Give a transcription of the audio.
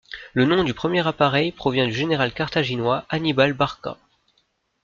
Le nom du premier appareil provient du général carthaginois Hannibal Barca.